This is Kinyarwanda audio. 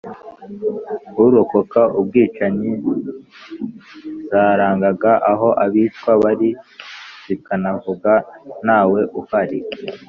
urokoka ubwicanyi Zarangaga aho abicwa bari zikanavuga ntawe uhari